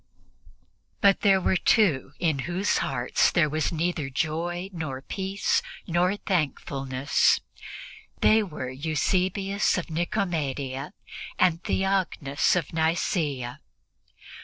But there were two in whose hearts there was neither joy nor peace nor thankfulness; they were Eusebius of Nicomedia and Theognis of Nicea.